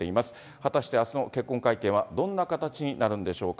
果たしてあすの結婚会見は、どんな形になるんでしょうか。